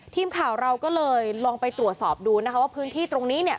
ทีมข่าวเราก็เลยลองไปตรวจสอบดูนะคะว่าพื้นที่ตรงนี้เนี่ย